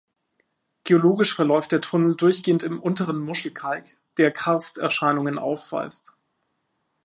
Geologisch verläuft der Tunnel durchgehend im Unteren Muschelkalk, der Karsterscheinungen aufweist.